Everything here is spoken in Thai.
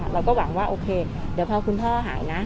เราก็หวังว่าโอเคเดี๋ยวพอคุณพ่อหายนะ